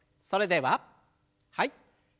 それでははい。